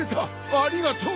ありがとう。